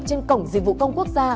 trên cổng dịch vụ công quốc gia